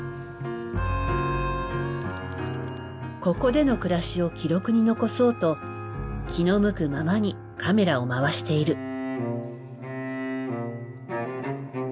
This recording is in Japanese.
ここでの暮らしを記録に残そうと気の向くままにカメラを回している。